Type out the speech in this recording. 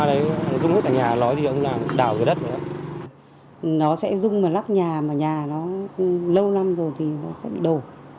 nó sẽ rung vào lắp nhà mà nhà nó lâu năm rồi thì nó sẽ bị đổ